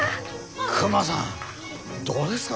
クマさんどうですか？